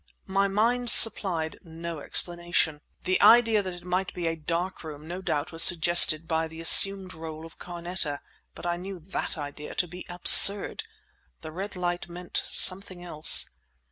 My mind supplied no explanation. The idea that it might be a dark room no doubt was suggested by the assumed role of Carneta; but I knew that idea to be absurd. The red light meant something else.